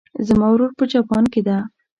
زما ورور په جاپان کې ده